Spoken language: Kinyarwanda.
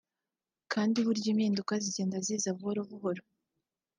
kandi burya impinduka zigenda ziza buhoro buhoro